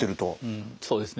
うんそうですね。